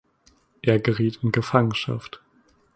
Er geriet in Gefangenschaft.